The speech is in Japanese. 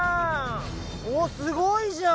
おっすごいじゃん。